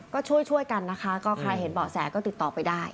ก็ช่วยช่วยกันนะคะก็ใครเห็นเบาะแสก็ติดต่อไปได้